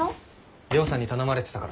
亮さんに頼まれてたから。